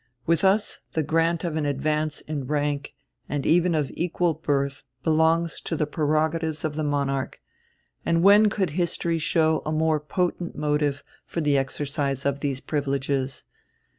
With us the grant of an advance in rank and even of equal birth belongs to the prerogatives of the monarch, and when could history show a more potent motive for the exercise of these privileges?